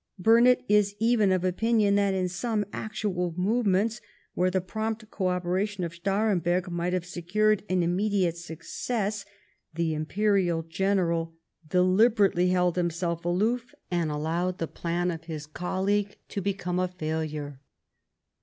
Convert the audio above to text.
Burnet is even of opinion that in some actual movements, where the prompt co operation of Staremberg might have secured an immediate success, the Imperial general deliberately 1710 STANHOPE MOVES INTO ARAGON. 37 held himself aloof, and allowed the plan of his colleague to become a failure.